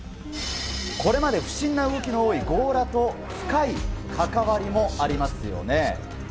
これまで不審な動きが多い強羅と深い関わりもありますよね。